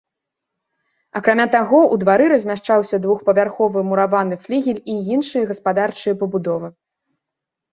Акрамя таго, у двары размяшчаўся двухпавярховы мураваны флігель і іншыя гаспадарчыя пабудовы.